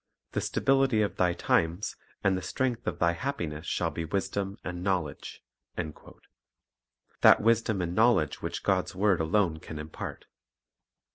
"The stability of thy times and the strength of thy happiness shall be wisdom and knowledge," 1 — that wisdom and knowledge which God's word alone can impart.